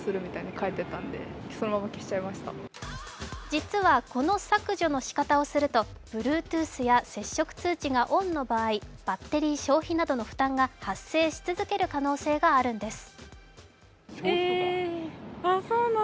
実はこの削除のしかたをすると、Ｂｌｕｅｔｏｏｔｈや接触通知がオンの場合バッテリー消費などの負担が発生し続ける可能性があるんです。